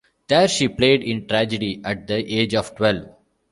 There she played in tragedy at the age of twelve.